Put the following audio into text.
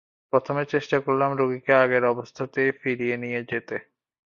প্রথমে চেষ্টা করলাম রোগীকে আগের অবস্থাতেই ফিরিয়ে নিয়ে যেতে।